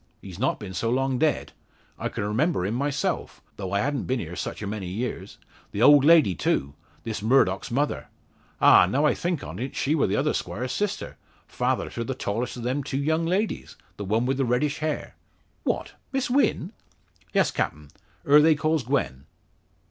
He's not been so long dead. I can remember him myself, though I hadn't been here such a many years the old lady too this Murdock's mother. Ah! now I think on't, she wor t'other squire's sister father to the tallest o' them two young ladies the one with the reddish hair." "What! Miss Wynn?" "Yes, captain; her they calls Gwen."